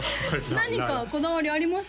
何かこだわりありますか？